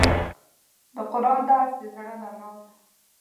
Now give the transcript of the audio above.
د قرآن درس د زړه رڼا ده.